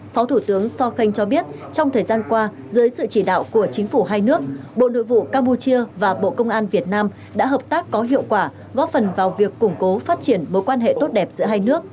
phó thủ tướng sokhang cho biết trong thời gian qua dưới sự chỉ đạo của chính phủ hai nước bộ nội vụ campuchia và bộ công an việt nam đã hợp tác có hiệu quả góp phần vào việc củng cố phát triển mối quan hệ tốt đẹp giữa hai nước